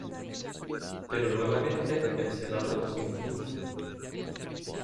Pero nuevamente, el senado se impuso.